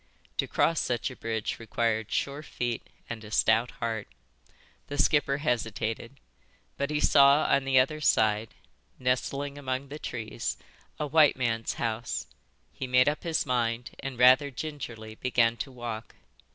To cross such a bridge required sure feet and a stout heart. The skipper hesitated. But he saw on the other side, nestling among the trees, a white man's house; he made up his mind and, rather gingerly, began to walk.